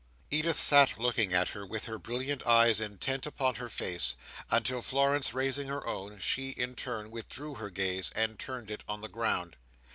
Edith sat looking at her, with her brilliant eyes intent upon her face, until Florence raising her own, she, in her turn, withdrew her gaze, and turned it on the ground.